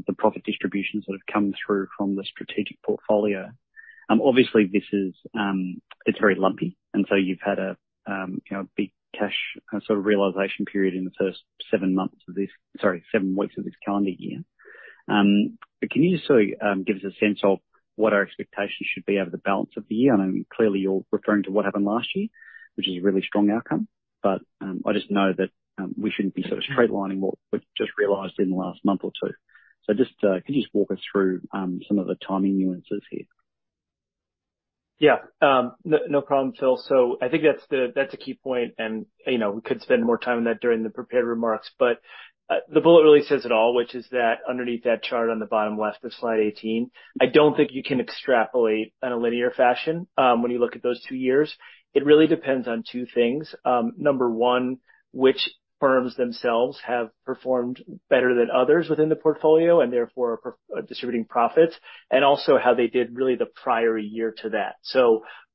the profit distributions that have come through from the strategic portfolio. Obviously this is, it's very lumpy, and so you've had a, you know, big cash sort of realization period in the first seven months of this, seven weeks of this calendar year. Can you just sort of give us a sense of what our expectations should be over the balance of the year? I mean, clarly you're referring to what happened last year, which is a really strong outcome, but I just know that we shouldn't be sort of straight lining what just realized in the last month or two. Just can you just walk us through some of the timing nuances here? No, no problem, Phil. I think that's a key point. You know, we could spend more time on that during the prepared remarks. The bullet really says it all, which is that underneath that chart on the bottom left of slide 18, I don't think you can extrapolate in a linear fashion when you look at those two years. It really depends on two things. Number one, which firms themselves have performed better than others within the portfolio and therefore are distributing profits, and also how they did really the prior year to that.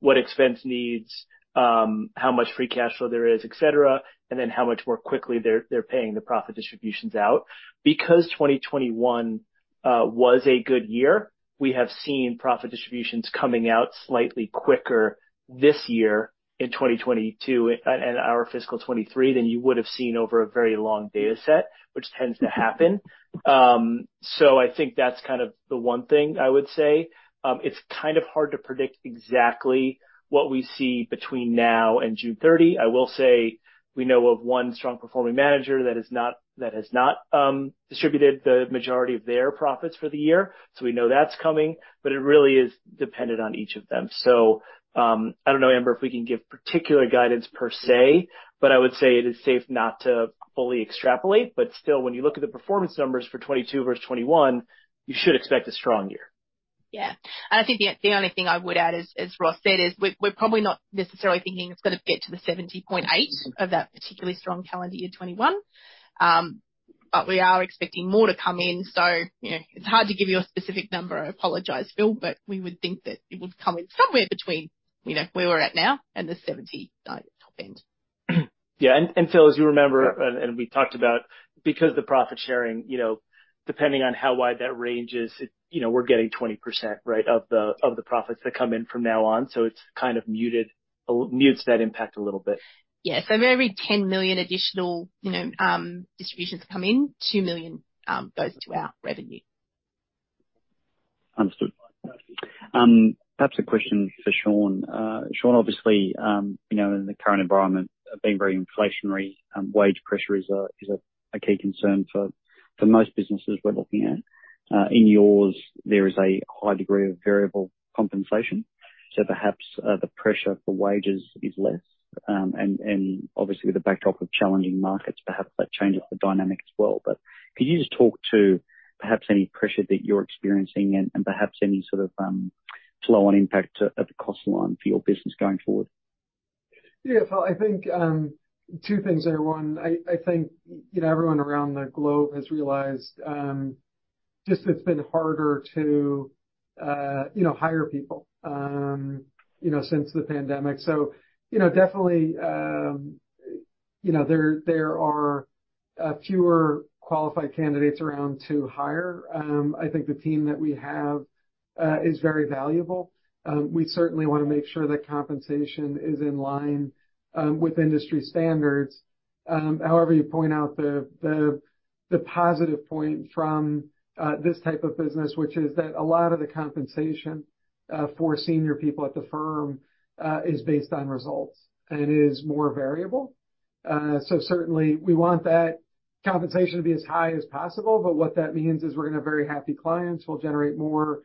What expense needs, how much free cash flow there is, et cetera, and then how much more quickly they're paying the profit distributions out. 2021 was a good year, we have seen profit distributions coming out slightly quicker this year in 2022 and our fiscal 2023 than you would have seen over a very long data set, which tends to happen. I think that's kind of the one thing I would say. It's kind of hard to predict exactly what we see between now and June 30. I will say we know of one strong performing manager that has not distributed the majority of their profits for the year, so we know that's coming. It really is dependent on each of them. I don't know, Amber, if we can give particular guidance per se, but I would say it is safe not to fully extrapolate. Still, when you look at the performance numbers for 2022 versus 2021, you should expect a strong year. Yeah. I think the only thing I would add is, as Ross said, we're probably not necessarily thinking it's gonna get to the 70.8% of that particularly strong calendar year 2021. We are expecting more to come in. You know, it's hard to give you a specific number. I apologize, Phil, but we would think that it would come in somewhere between, you know, where we're at now and the 70% top end. Yeah. Phil, as you remember, and we talked about, because the profit sharing, you know, depending on how wide that range is, you know, we're getting 20%, right, of the, of the profits that come in from now on. It's kind of mutes that impact a little bit. Yeah. For every $10 million additional, you know, distributions come in, $2 million goes to our revenue. Understood. Perhaps a question for Sean. Sean, obviously, you know, in the current environment being very inflationary, wage pressure is a key concern for most businesses we're looking at. In yours, there is a high degree of variable compensation, so perhaps the pressure for wages is less. Obviously with the backdrop of challenging markets, perhaps that changes the dynamic as well. Could you just talk to perhaps any pressure that you're experiencing and perhaps any sort of flow on impact at the cost line for your business going forward? Yeah. I think, two things there. One, I think, you know, everyone around the globe has realized, just it's been harder to, you know, hire people, you know, since the pandemic. Definitely, you know, there are, fewer qualified candidates around to hire. I think the team that we have, is very valuable. We certainly wanna make sure that compensation is in line, with industry standards. However, you point out the, the positive point from, this type of business, which is that a lot of the compensation, for senior people at the firm, is based on results, and it is more variable. Certainly we want that compensation to be as high as possible, but what that means is we're gonna have very happy clients. We'll generate more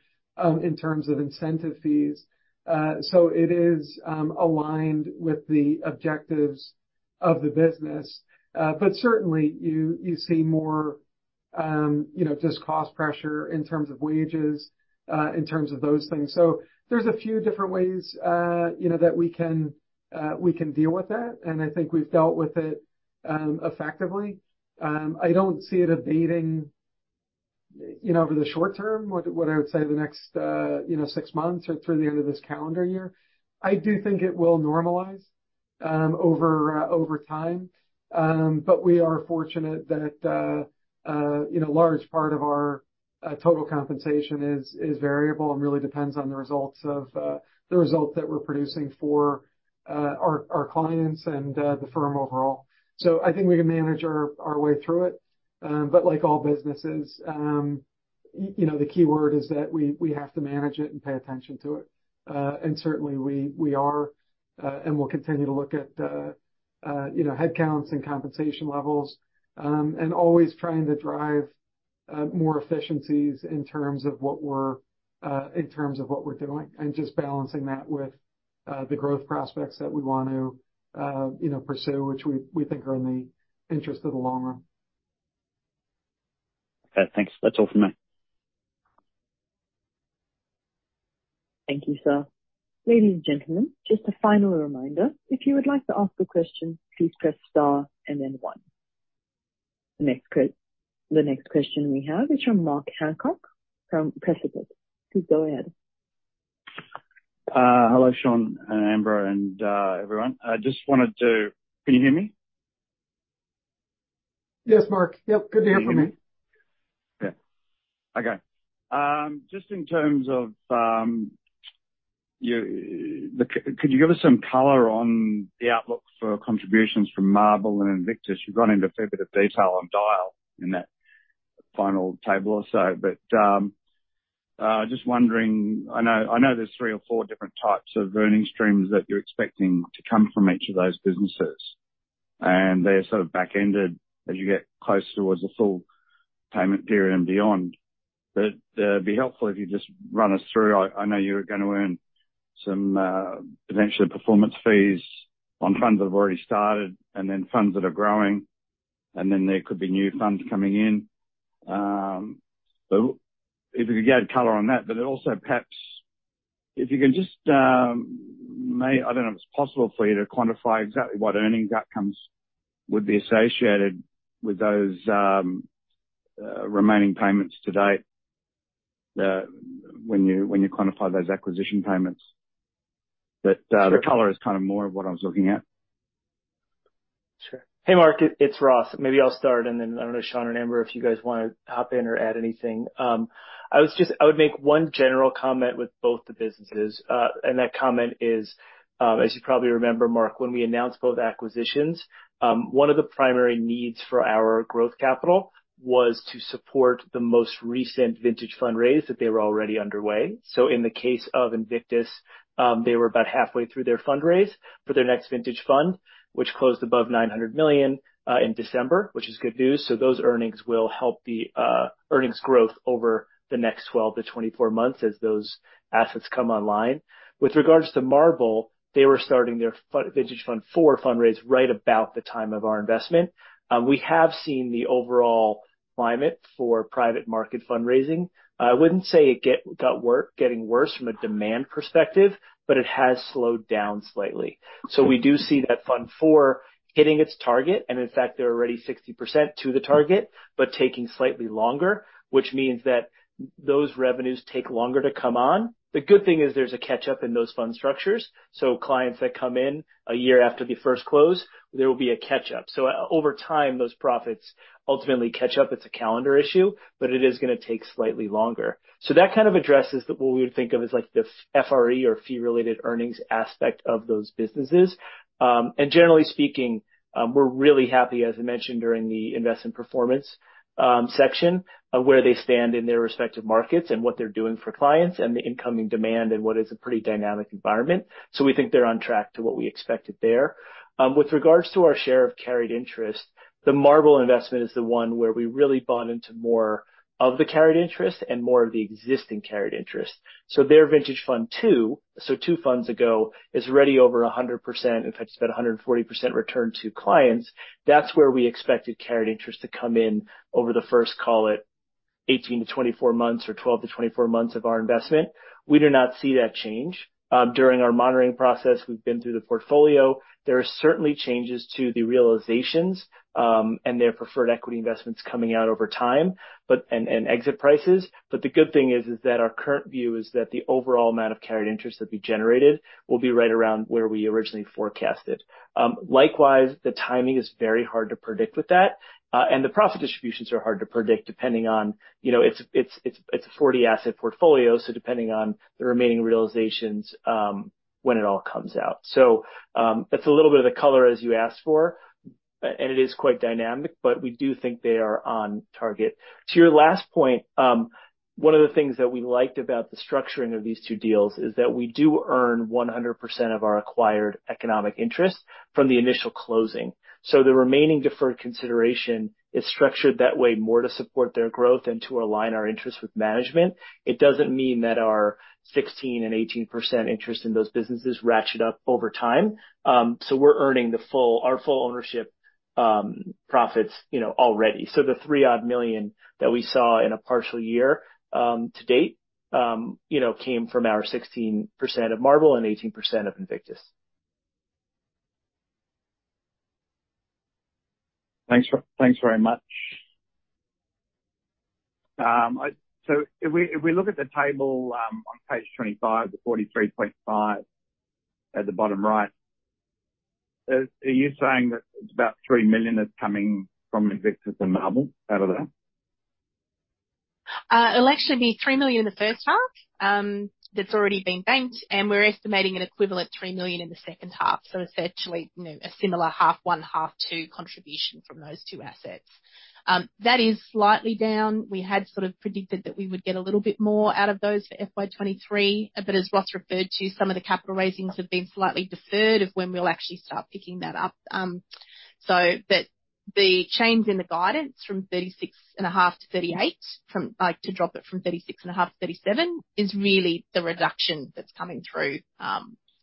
in terms of incentive fees. It is aligned with the objectives of the business. Certainly you see more, you know, just cost pressure in terms of wages in terms of those things. There's a few different ways, you know, that we can we can deal with that, and I think we've dealt with it effectively. I don't see it abating, you know, over the short term, what I would say the next, you know, six months or through the end of this calendar year. I do think it will normalize over time. But we are fortunate that, you know, a large part of our total compensation is variable and really depends on the results of the result that we're producing for our clients and the firm overall. I think we can manage our way through it. But like all businesses, you know, the key word is that we have to manage it and pay attention to it. And certainly we are, and we'll continue to look at, you know, headcounts and compensation levels, and always trying to drive more efficiencies in terms of what we're in terms of what we're doing, and just balancing that with the growth prospects that we want to, you know, pursue, which we think are in the interest of the long run. Okay, thanks. That's all for me. Thank you, sir. Ladies and gentlemen, just a final reminder. If you would like to ask a question, please press star and then one. The next question we have is from Mark Hancock from Precipice. Please go ahead. Hello, Sean and Amber and everyone. Can you hear me? Yes, Mark. Yep, good to hear from you. Can you hear me? Yeah. Okay. Just in terms of, Could you give us some color on the outlook for contributions from Marble and Invictus? You've gone into a fair bit of detail on Dyal in that final table or so. Just wondering, I know there's three or four different types of earnings streams that you're expecting to come from each of those businesses, and they're sort of back-ended as you get closer towards the full payment period and beyond. It'd be helpful if you just run us through. I know you're gonna earn some potentially performance fees on funds that have already started and then funds that are growing, and then there could be new funds coming in. If you could add color on that. It also perhaps if you can just, I don't know if it's possible for you to quantify exactly what earnings outcomes would be associated with those, remaining payments to date, when you quantify those acquisition payments. Sure. The color is kinda more of what I was looking at. Sure. Hey, Mark, it's Ross. Maybe I'll start, I don't know, Sean and Amber, if you guys wanna hop in or add anything. I would make one general comment with both the businesses. That comment is, as you probably remember, Mark, when we anounced both acquisitions, one of the primary needs for our growth capital was to support the most recent vintage fundraise that they were already underway. In the case of Invictus, they were about halfway through their fundraise for their next vintage fund, which closed above $900 million in December, which is good news. Those earnings will help the earnings growth over the next 12-24 months as those assets come online. With regards to Marble Capital, they were starting their vintage fund for fundraise right about the time of our investment. We have seen the overall climate for private market fundraising. I wouldn't say it got worse, getting worse from a demand perspective, but it has slowed down slightly. We do see that Fund IV hitting its target, and in fact, they're already 60% to the target, but taking slightly longer, which means that those revenues take longer to come on. The good thing is there's a catch-up in those fund structures. Clients that come in a year after the first close, there will be a catch-up. Over time, those profits ultimately catch up. It's a calendar issue, but it is gonna take slightly longer. That kind of addresses the...what we would think of as like the FRE or Fee Related Earnings aspect of those businesses. Generally speaking, we're really happy, as I mentioned during the investment performance section, of where they stand in their respective markets and what they're doing for clients and the incoming demand and what is a pretty dynamic environment. We think they're on track to what we expected there. With regards to our share of Carried Interest, the Marble investment is the one where we really bought into more of the Carried Interest and more of the existing Carried Interest. Their vintage Fund II, so two funds ago, is already over 100%. In fact, it's about 140% return to clients. That's where we expected Carried Interest to come in over the first, call it. 18-24 months or 12-24 months of our investment. We do not see that change. During our monitoring process, we've been through the portfolio. There are certainly changes to the realizations and their preferred equity investments coming out over time, and exit prices. The good thing is that our current view is that the overall amount of Carried Interest that we generated will be right around where we originally forecasted. Likewise, the timing is very hard to predict with that, and the profit distributions are hard to predict depending on, you know, it's a 40 asset portfolio, so depending on the remaining realizations, when it all comes out. That's a little bit of the color as you asked for, and it is quite dynamic, but we do think they are on target. To your last point, one of the things that we liked about the structuring of these two deals is that we do earn 100% of our acquired economic interest from the initial closing. The remaining deferred consideration is structured that way more to support their growth and to align our interests with management. It doesn't mean that our 16% and 18% interest in those businesses ratchet up over time. We're earning our full ownership profits, you know, already. The $3 odd million that we saw in a partial year, to date, you know, came from our 16% of Marble and 18% of Invictus. Thanks, thanks very much. If we look at the table, on page 25, the 43.5 at the bottom right, are you saying that it's about $3 million that's coming from Invictus and Marble out of that? It'll actually be $3 million in the first half, that's already been banked, and we're estimating an equivalent $3 million in the second half. Essentially, you know, a similar half one, half two contribution from those two assets. That is slightly down. We had sort of predicted that we would get a little bit more out of those for FY 2023. As Ross referred to, some of the capital raisings have been slightly deferred of when we'll actually start picking that up. The change in the guidance from $36.5 million-$38 million, to drop it from $36.5 million-$37 million, is really the reduction that's coming through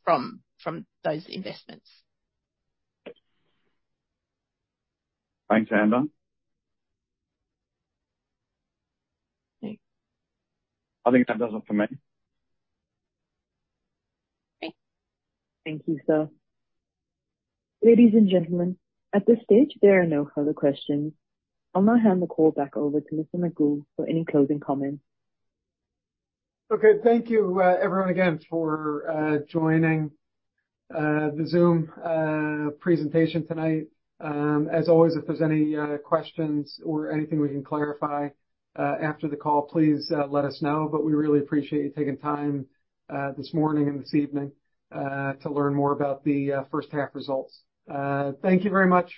from those investments. Thanks, Amber. I think that does it for me. Thanks. Thank you, sir. Ladies and gentlemen, at this stage, there are no further questions. I'll now hand the call back over to Mr. McGould for any closing comments. Okay. Thank you everyone again for joining the Zoom presentation tonight. As always, if there's any questions or anything we can clarify after the call, please let us know. We really appreciate you taking time this morning and this evening to learn more about the first half results. Thank you very much.